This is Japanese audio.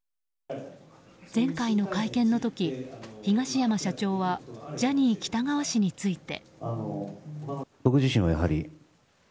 前回の会見の時、東山社長はジャニー喜多川氏について。